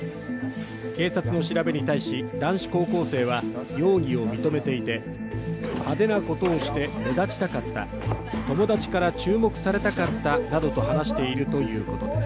警察の調べに対し、男子高校生は容疑を認めていて、派手なことをして目立ちたかった、友達から注目されたかったなどと話しているということです。